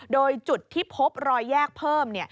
โดยจุดที่พบรอยแยกเพิ่ม